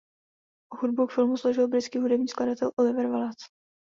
Hudbu k filmu složil britský hudební skladatel Oliver Wallace.